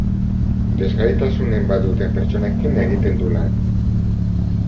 Desgaitasunen bat duten pertsonekin egiten du lan.